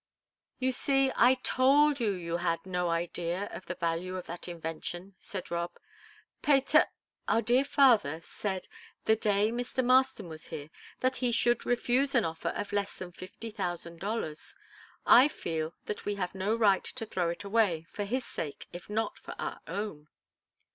"You see; I told you you had no idea of the value of that invention," said Rob. "Pater our dear father said, the day Mr. Marston was here, that he should refuse an offer of less than fifty thousand dollars. I feel that we have no right to throw it away, for his sake, if not for our own."